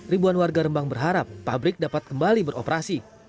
ribuan warga rembang berharap pabrik dapat kembali beroperasi